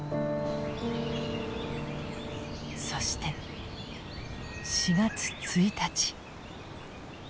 そして４月１日。